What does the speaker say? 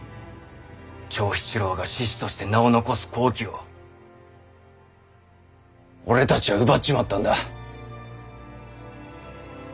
長七郎が志士として名を残す好機を俺たちは奪っちまったんだ。